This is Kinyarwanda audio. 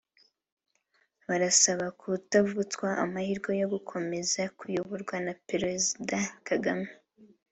barasaba kutavutswa amahirwe yo gukomeza kuyoborwa na Perezida Kagame